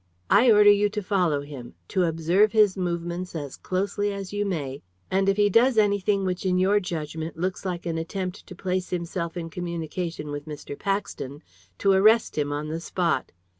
I order you to follow him, to observe his movements as closely as you may, and if he does anything which in your judgment looks like an attempt to place himself in communication with Mr. Paxton, to arrest him on the spot.